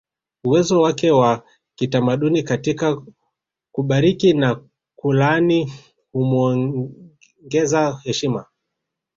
Uwezo wake wa kitamaduni katika kubariki na kulaani humuongeza heshima